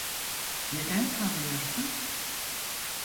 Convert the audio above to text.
Neden kalmıyorsun?